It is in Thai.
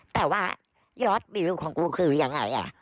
แต่ว่ายอดวิวของกูคือยังไง